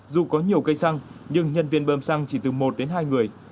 dù có nhiều cây xăng nhưng nhân viên bơm xăng chỉ từ một đến hai người